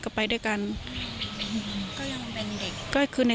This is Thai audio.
โทรไปถามว่าแม่ช่วยด้วยถูกจับ